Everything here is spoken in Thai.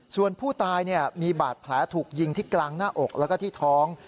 ส่วนผู้ตายมีบาดแผลถูกยิงที่กลางหน้าอกแล้วก็ที่ท้อง